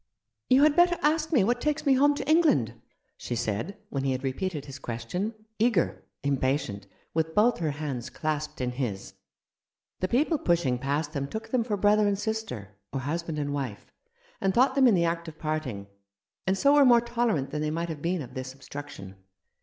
"You had better ask me what takes me home to England," she said, when he had repeated his question — eager, impatient, with both her hands clasped in his. The people pushing past them took them for brother and sister, or husband and wife, and thought them in the act of parting, and so were more tolerant than they might have been of this obstruction.